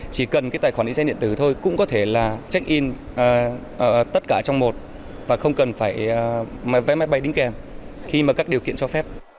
chỉ cần cái tài khoản định danh điện tử thôi cũng có thể là check in tất cả trong một và không cần phải vé máy bay đính kèm khi mà các điều kiện cho phép